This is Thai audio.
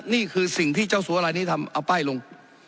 นี่คือสิ่งที่เจ้าสัวลายนี้ทำเอาป้ายลง